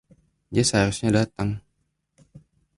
Dia seharusnya datang.